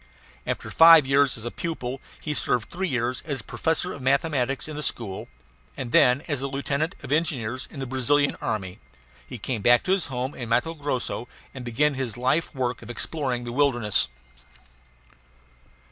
After five years as pupil he served three years as professor of mathematics in this school; and then, as a lieutenant of engineers in the Brazilian army, he came back to his home in Matto Grosso and began his life work of exploring the wilderness.